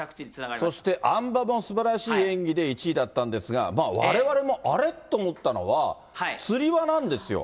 そして、あん馬もすばらしい演技で１位だったんですが、まあ、われわれもあれ？と思ったのは、つり輪なんですよ。